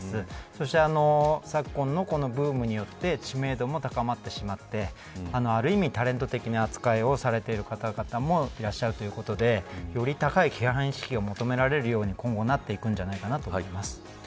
そして、昨今のブームによって知名度も高まってしまってある意味、タレント的な扱いをされている方々もいらっしゃるということでより高い規範意識を求められるように今後、なっていくんじゃないかと思います。